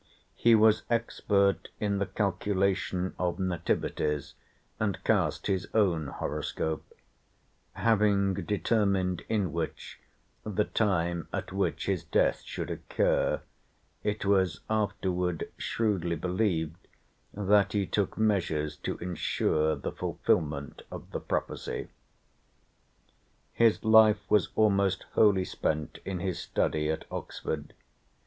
He was expert in the calculation of nativities, and cast his own horoscope; having determined in which, the time at which his death should occur, it was afterward shrewdly believed that he took measures to insure the fulfillment of the prophecy. His life was almost wholly spent in his study at Oxford.